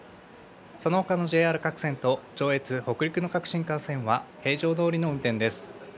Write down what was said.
そのほかのＪＲ各線と上越、北陸の各新幹線は平常どおりの運転です。